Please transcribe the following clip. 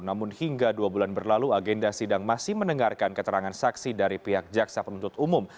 namun hingga dua bulan berlalu agenda sidang masih mendengarkan keterangan saksi dari pihak jaksa penuntut umum